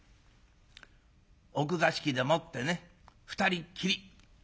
奥座敷でもってね２人っきり。